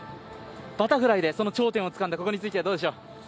バタフライで頂点をつかんだそこについてはどうでしょう。